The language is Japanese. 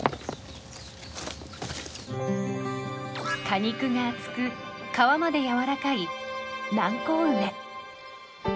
果肉が厚く皮までやわらかい南高梅。